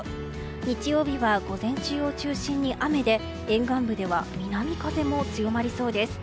日曜日は午前中を中心に雨で沿岸部では南風も強まりそうです。